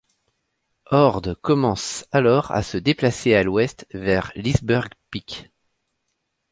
Ord commence alors à se déplacer à l'ouest vers Leesburg Pike.